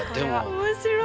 面白い！